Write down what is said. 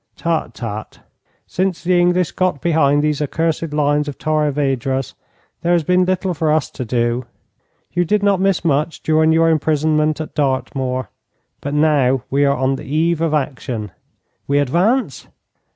'Tut, tut! Since the English got behind these accursed lines of Torres Vedras, there has been little for us to do. You did not miss much during your imprisonment at Dartmoor. But now we are on the eve of action.' 'We advance?'